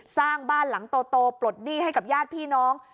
สร้างบ้านหลังโตปลดหนี้ให้กับญาติพี่น้อง